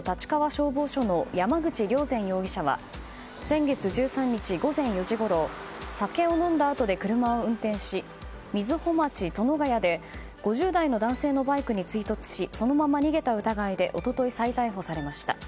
消防署の山口凌善容疑者は先月１３日午前４時ごろ酒を飲んだ里で車を運転し５０代の男性のバイクに追突しそのまま逃げた疑いで一昨日再逮捕されました。